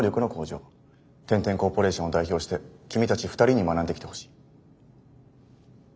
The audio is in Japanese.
天・天コーポレーションを代表して君たち２人に学んできてほしい。